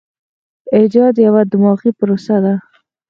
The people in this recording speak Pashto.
ایجاد یوه دماغي پروسه ده.